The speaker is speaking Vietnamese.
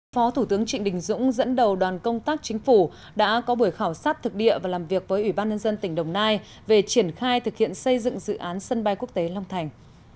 phó thủ tướng trịnh đình dũng dẫn đầu đoàn công tác chính phủ đã có buổi khảo sát thực địa và làm việc với ủy ban nhân dân tỉnh đồng nai về triển khai thực hiện xây dựng dự án sân bay quốc tế long thành